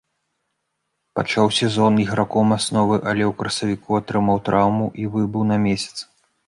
Пачаў сезон іграком асновы, але ў красавіку атрымаў траўму і выбыў на месяц.